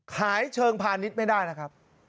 เชิงพาณิชย์ไม่ได้นะครับ